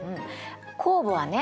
酵母はね